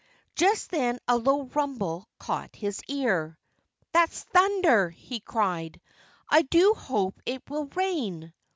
Just then a low rumble caught his ear. "That's thunder!" he cried. "I do hope it will rain!"